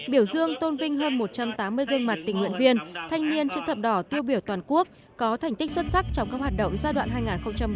biểu dương tôn vinh hơn một trăm tám mươi gương mặt tình nguyện viên thanh niên chữ thập đỏ tiêu biểu toàn quốc có thành tích xuất sắc trong các hoạt động giai đoạn hai nghìn một mươi bốn hai nghìn hai mươi